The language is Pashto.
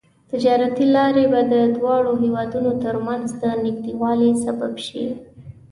تجارتي لارې به د دواړو هېوادونو ترمنځ د نږدیوالي سبب شي.